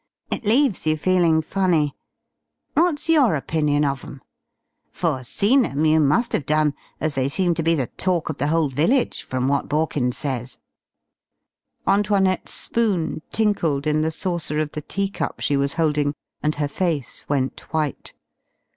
It leaves you feeling funny. What's your opinion of 'em? For seen 'em you must have done, as they seem to be the talk of the whole village from what Borkins says." Antoinette's spoon tinkled in the saucer of the tea cup she was holding and her face went white.